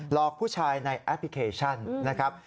อกผู้ชายในแอปพลิเคชันนะครับ